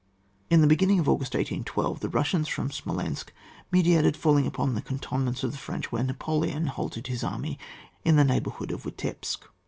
In the beginning of August, 1812, the Bussians from Smolensk meditated falling upon the cantonments of the French when Napoleon halted his army in the neighbourhood of Witepsk.